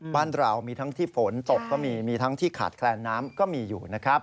บ้านเรามีทั้งที่ฝนตกก็มีมีทั้งที่ขาดแคลนน้ำก็มีอยู่นะครับ